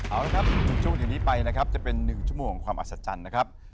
เอาละครับในช่วงอย่างนี้ไปนะครับจะเป็น๑ชั่วโมงของความอัศจรรย์นะครับ